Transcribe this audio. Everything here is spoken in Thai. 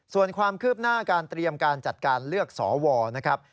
ส่วนความคืบหน้าการเตรียมการจัดการเลือกสวนะครับ